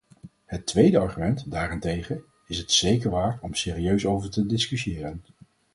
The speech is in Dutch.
Het tweede argument, daarentegen, is het zeker waard om serieus over te discussiëren.